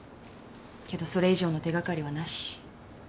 けどそれ以上の手がかりはなし。